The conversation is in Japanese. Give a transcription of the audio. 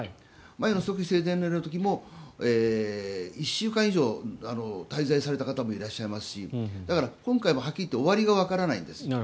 前の即位礼正殿の儀の時も１週間以上滞在された方もいらっしゃいますしだから今回もはっきり言って終わりが見えないんです。